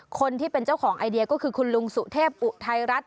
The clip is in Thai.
คนที่เป็นเจ้าของไอเดียก็คือคุณลุงสุเทพอุทัยรัฐ